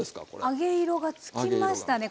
揚げ色がつきましたね。